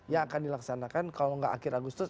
yang akan dilaksanakan kalau nggak akhir agustus